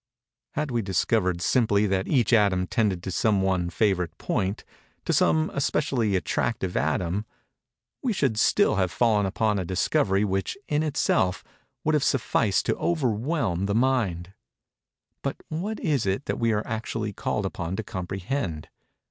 Had we discovered, simply, that each atom tended to some one favorite point—to some especially attractive atom—we should still have fallen upon a discovery which, in itself, would have sufficed to overwhelm the mind:—but what is it that we are actually called upon to comprehend?